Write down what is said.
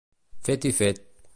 Fet i fet.